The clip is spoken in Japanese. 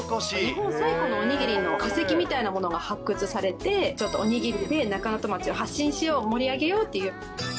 日本最古のおにぎりの化石みたいなものが発掘されて、ちょっとおにぎりで中能登町を発信しよう、盛り上げようっていう。